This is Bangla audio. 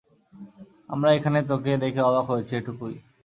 আমরা এখানে তোকে দেখে অবাক হয়েছি, এটুকুই!